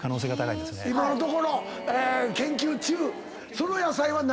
その野菜は。